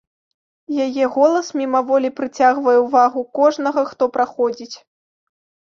Яе голас мімаволі прыцягвае ўвагу кожнага, хто праходзіць.